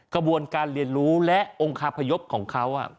กระบวนการเรียนรู้และองคาพยพของเขา